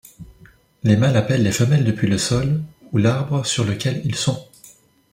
Les mâles appellent les femelles depuis le sol ou l'arbre sur lequel ils sont.